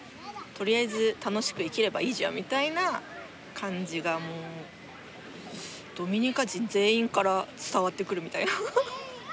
とりあえず楽しく生きればいいじゃんみたいな感じがもうドミニカ人全員から伝わってくるみたいな。